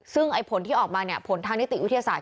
ซึ่งผลที่ออกมาเนี่ยผลทางนิติวิทยาศาสต